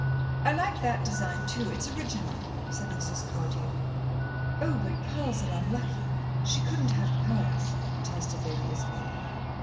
"I like that design, too. It's original," said Mrs. Cardew. "Oh, but pearls are unlucky she couldn't have pearls," protested Lady Isabel.